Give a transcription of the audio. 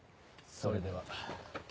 それでは。